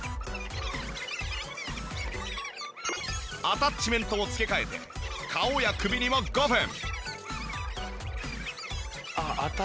アタッチメントを付け替えて顔や首にも５分。